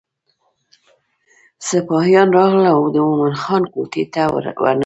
سپاهیان راغلل او د مومن خان کوټې ته ورننوته.